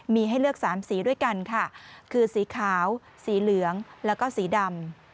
มีให้เลือก๓สีด้วยกันค่ะคือสีขาวสีเหลืองแล้วก็สีดำ